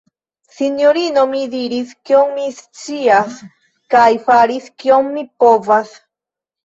sinjorino, mi diris, kion mi scias, kaj faris, kion mi povas!